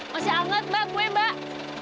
masih hangat mbak kue mbak